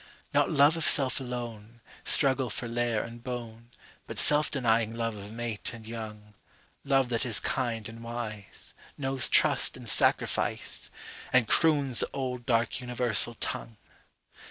Not love of self alone, Struggle for lair and bone, But self denying love of mate and young, Love that is kind and wise, Knows trust and sacrifice, And croons the old dark universal tongue.